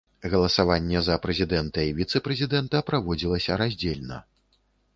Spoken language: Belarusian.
Галасаванне за прэзідэнта і віцэ-прэзідэнта праводзілася раздзельна.